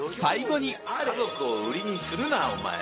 家族を売りにするなお前は。